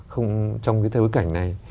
không trong cái thế giới cảnh này